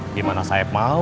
gimana saeb mau